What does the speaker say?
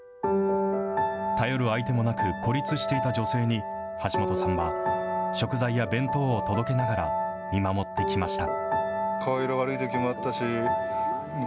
頼る相手もなく、孤立していた女性に、橋本さんは食材や弁当を届けながら、見守ってきました。